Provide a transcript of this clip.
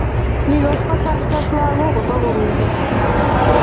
Ni ko kasartab lagok Koba koruiyo